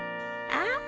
ああ。